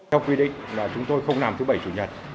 theo quy định là chúng tôi không làm thứ bảy chủ nhật